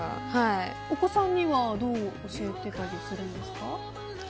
お子さんにはどう教えてたりするんですか？